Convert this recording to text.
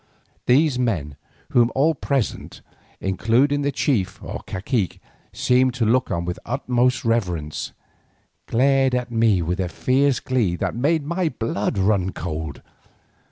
These men, whom all present, including the chief or cacique, seemed to look on with the utmost reverence, glared at me with a fierce glee that made my blood run cold.